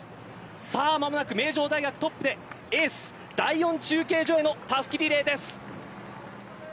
さあ間もなく名城大学トップでエース第４中継所へのたすきリレーです。